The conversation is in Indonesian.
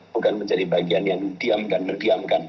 bukan menjadi bagian yang diam dan mendiamkan